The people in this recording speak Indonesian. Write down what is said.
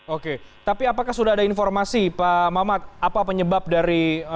oke tapi apakah sudah ada informasi pak mamat apa penyebab dari